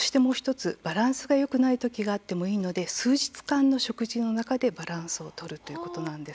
バランスがよくない時があってもいいので数日間の食事の中でバランスを取るということです。